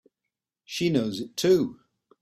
She knows it too!